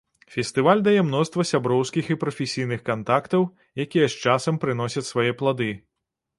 Фестываль дае мноства сяброўскіх і прафесійных кантактаў, якія з часам прыносяць свае плады.